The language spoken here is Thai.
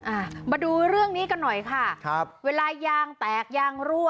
อ่ามาดูเรื่องนี้กันหน่อยค่ะครับเวลายางแตกยางรั่ว